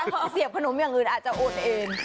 พอเสียบขนมอย่างอื่นอาจจะโอนเอง